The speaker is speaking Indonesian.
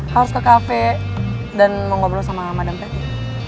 harus ke cafe dan mau ngobrol sama madam patty